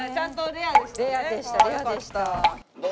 レアでしたレアでした。